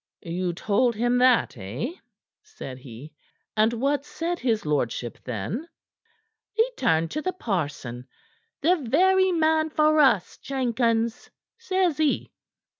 "You told him that, eh?" said he. "And what said his lordship then?" "He turned to the parson. 'The very man for us, Jenkins,' says he."